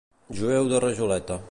Jueu de rajoleta.